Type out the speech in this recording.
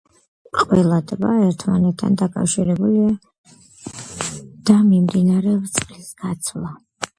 ყველა ტბა ერთმანეთთან დაკავშირებულია და მიმდინარეობს წყლის გაცვლა.